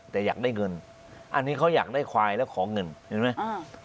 แต่อยากได้เงินอันนี้เขาอยากได้ควายแล้วขอเงินเห็นไหมอ่า